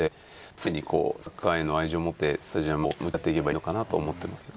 つねにサッカーへの愛情持ってスタジアムと向き合っていけばいいのかなと思ってますけど。